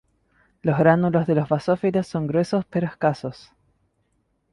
Los gránulos de los basófilos son gruesos pero escasos.